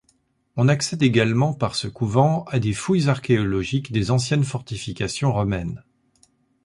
On accède également par ce couvent à des fouilles archéologiques des anciennes fortifications romaines.